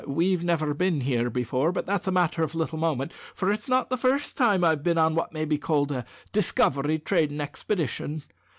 We've never been here before; but that's a matter of little moment, for it's not the first time I've been on what may be called a discovery trading expedition.